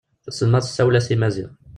Taselmadt tessawel-ad i Maziɣ.